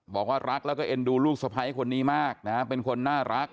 บอกว่ารักแล้วก็เอ็นดูลูกสะพ้ายคนนี้มากนะเป็นคนน่ารัก